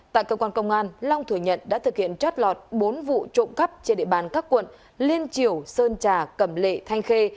tại cơ quan công an long thừa nhận đã thực hiện trót lọt bốn vụ trộm cắp trên địa bàn các quận liên triều sơn trà cẩm lệ thanh khê